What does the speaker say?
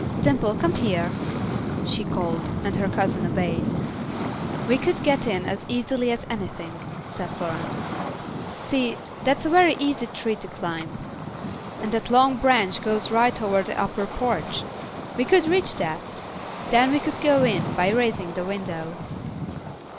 "Dimple, come here," she called, and her cousin obeyed. "We could get in as easily as anything," said Florence. "See, that's a very easy tree to climb, and that long branch goes right over the upper porch. We could reach that; then we could go in by raising the window."